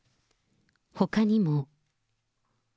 ほかにも。